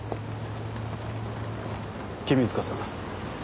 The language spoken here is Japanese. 君塚さん。